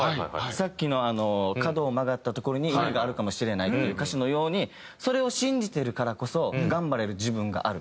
さっきの「角を曲がった所に意味があるかもしれない」っていう歌詞のようにそれを信じてるからこそ頑張れる自分がある。